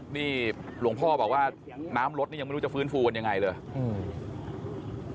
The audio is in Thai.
นี่หลวงพ่อบอกว่าน้ำรถนี่ยังไม่รู้จะฟื้นฟูกันยังไงเลยอืม